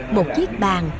một chiếc bàn